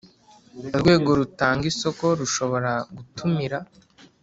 Urwego rutanga isoko rushobora gutumira